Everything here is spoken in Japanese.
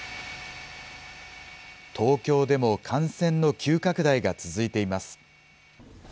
東京でも感染の急拡大が続いています。